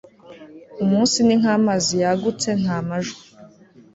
umunsi ni nkamazi yagutse, nta majwi